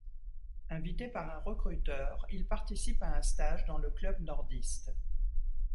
Invité par un recruteur, il participe à un stage dans le club nordiste.